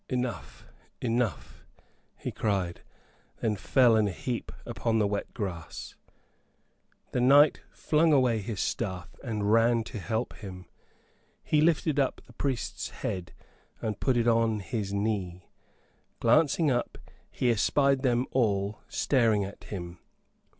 "Enough, enough," he cried; then fell in a heap upon the wet grass. The knight flung away his staff and ran to help him. He lifted up the priest's head and put it on his knee. Glancing up, he espied them all staring at him.